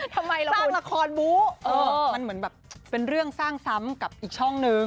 ทำไมเราสร้างละครบู๊มันเหมือนแบบเป็นเรื่องสร้างซ้ำกับอีกช่องนึง